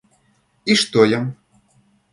И что я?